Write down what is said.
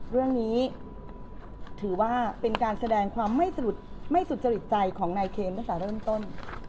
เรื่องนี้ถือว่าเป็นการแสดงความไม่สุจริตใจของนายเคนตั้งแต่เริ่มต้น